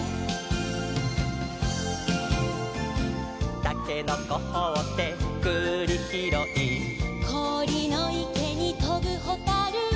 「たけのこほってくりひろい」「こおりのいけにとぶほたる」